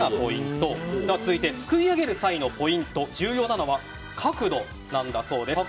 続いてすくい上げる際のポイント重要なのは角度なんだそうです。